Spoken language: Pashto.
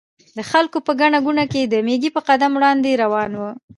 د خلکو په ګڼه ګوڼه کې د مېږي په قدم وړاندې روان و.